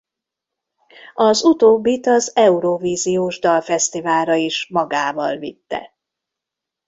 Az utóbbit az Eurovíziós Dalfesztiválra is magával vitte.